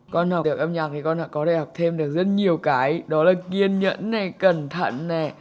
con học được âm nhạc thì con đã có đại học thêm được rất nhiều cái đó là kiên nhẫn này cẩn thận này